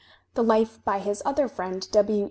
The life by his other friend, W.